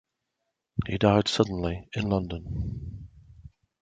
He died suddenly in London.